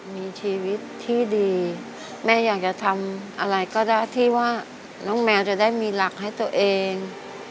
มีชีวิตที่ดีแม่อยากจะทำอะไรก็ได้ที่ว่าน้องแมวจะได้มีหลักให้ตัวเอง